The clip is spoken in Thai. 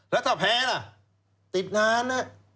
แล้วถ้าแพ้ล่ะติดงาน